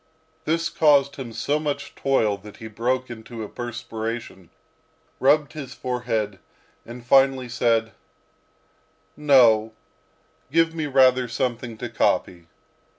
This caused him so much toil, that he broke into a perspiration, rubbed his forehead, and finally said, "No, give me rather something to copy."